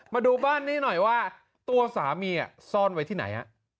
มาดูบ้านนี้หน่อยว่าตัวสามีซ่อนไว้ที่ไหน